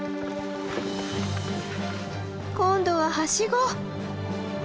今度はハシゴ！